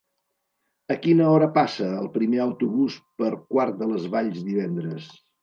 A quina hora passa el primer autobús per Quart de les Valls divendres?